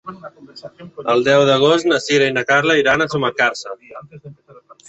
El deu d'agost na Sira i na Carla iran a Sumacàrcer.